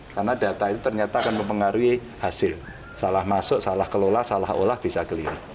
karena data itu ternyata akan mempengaruhi hasil salah masuk salah kelola salah olah bisa clear